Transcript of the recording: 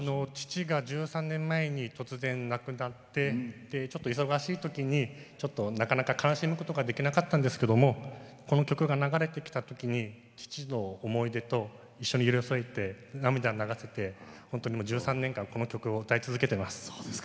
父が１３年前に突然、亡くなってちょっと忙しいときになかなか悲しむことができなかったんですけどこの曲が流れてきたときに父の思い出と一緒に寄り添えて涙を流せて１３年間この曲を歌い続けてます。